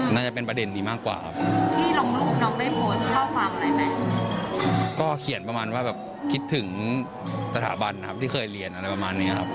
น่าจะเป็นประเด็นนี้มากกว่าครับก็เขียนประมาณว่าแบบคิดถึงสถาบันนะครับที่เคยเรียนอะไรประมาณนี้ครับ